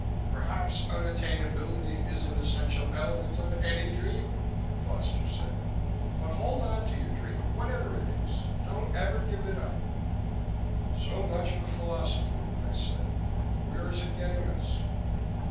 "Perhaps unattainability is an essential element of any dream," Foster said. "But hold onto your dream, whatever it is don't ever give it up." "So much for philosophy," I said. "Where is it getting us?"